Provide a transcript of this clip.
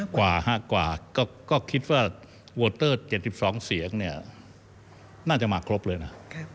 กว่าก็คิดว่าโวเตอร์๗๒เสียงเนี่ยน่าจะมาครบเลยนะ